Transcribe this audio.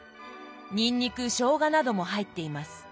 にんにくしょうがなども入っています。